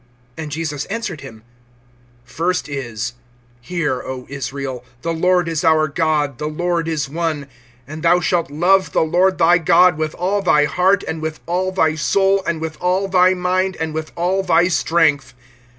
(29)And Jesus answered him: First is, Hear, O Israel; the Lord is our God, the Lord is one; (30)and thou shalt love the Lord thy God with all thy heart, and with all thy soul, and with all thy mind, and with all thy strength.